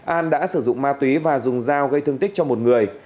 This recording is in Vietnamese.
an đã sử dụng ma túy và dùng dao gây thương tích cho một người